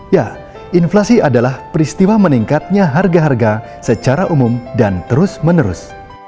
ya inflasi adalah peristiwa meningkatnya harga harga secara umum dan terus menerus